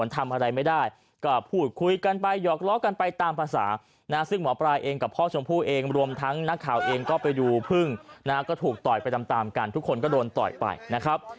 ต่อยไปตามกันทุกคนก็โดนต่อยไปนะครับ